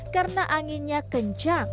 karena anginnya terlalu kuat